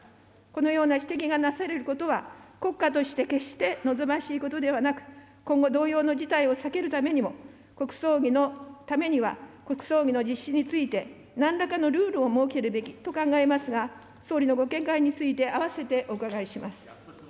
このような指摘がなされることは、国家として決して望ましいことではなく、今後、同様の事態を避けるためにも、国葬儀のためには国葬儀の実施について、なんらかのルールを設けるべきと考えますが、総理のご見解について併せてお伺いします。